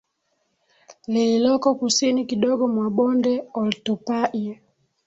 lililoko kusini kidogo mwa bonde Oltupai